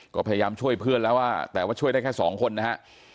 ก็พยายามช่วยเพื่อนแล้วแต่ว่าช่วยได้แค่สองคนนะฮะ